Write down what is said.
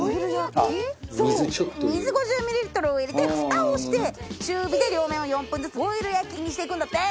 水５０ミリリットルを入れてフタをして中火で両面を４分ずつボイル焼きにしていくんだって。